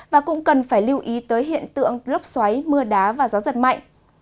và cũng cần phải lưu ý tới hiện tượng lốc xoáy mưa đá và gió giật mạnh